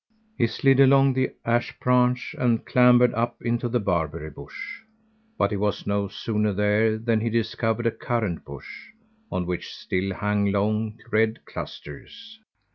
He slid along the ash branch and clambered up into the barberry bush, but he was no sooner there than he discovered a currant bush, on which still hung long red clusters.